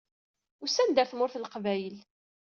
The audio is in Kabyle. Usan-d ɣer Tmurt n Leqbayel.